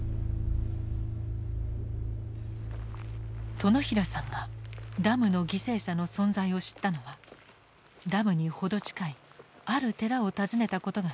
殿平さんがダムの犠牲者の存在を知ったのはダムに程近いある寺を訪ねたことがきっかけだった。